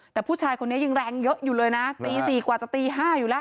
แต่ผู้ชายคนนี้ยังแรงเยอะอยู่เลยนะตี๔กว่าจะตี๕อยู่แล้ว